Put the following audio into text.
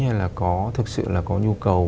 hay là có thực sự là có nhu cầu